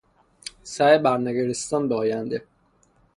سعی بر نگریستن به آینده